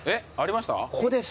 ここです。